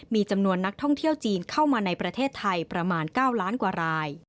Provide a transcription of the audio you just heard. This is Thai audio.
มีจำนวนนักท่องเที่ยวจีนเข้ามาในประเทศไทยประมาณ๙ล้านกว่าราย